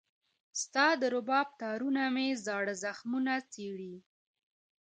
ستا د رباب تارونه مې زاړه زخمونه چېړي